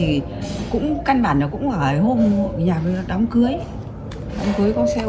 ừ nó đi thì cũng căn bản nó cũng ở hôm nhà đám cưới đám cưới có xe ô tô đi chắc là bọn nó nó theo xe đi hay như thế nào